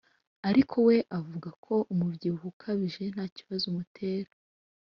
Ariko we avuga ko umubyibuho ukabije ntakibazo umutera